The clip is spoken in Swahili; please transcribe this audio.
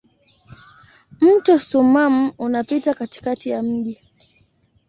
Mto Soummam unapita katikati ya mji.